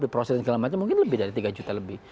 di prosesan kelemahannya mungkin lebih dari tiga juta lebih